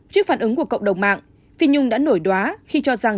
trước phản ứng của cộng đồng mạng phi nhung đã nổi đoá khi cho rằng